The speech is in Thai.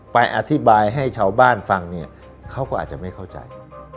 ไปอธิบายให้ชาวบ้านฟังเนี่ยเขาก็อาจจะไม่เข้าใจ